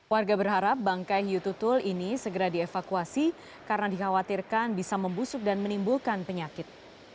warga berharap bangkai hiu tutul ini segera dievakuasi karena dikhawatirkan bisa membusuk dan menimbulkan penyakit